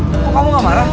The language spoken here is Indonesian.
kok kamu gak marah